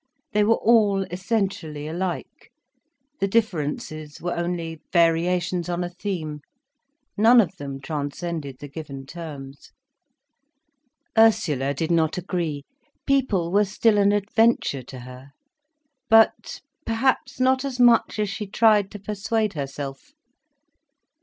They were all essentially alike, the differences were only variations on a theme. None of them transcended the given terms. Ursula did not agree—people were still an adventure to her—but—perhaps not as much as she tried to persuade herself.